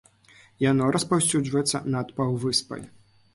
Яно распаўсюджваецца над паўвыспай.